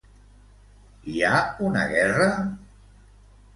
Hi ha una guerra?